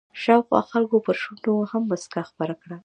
شاوخوا خلکو پر شونډو هم مسکا خپره وه.